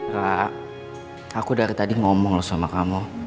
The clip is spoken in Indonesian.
kak aku dari tadi ngomong loh sama kamu